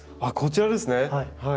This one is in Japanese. あっこちらですね。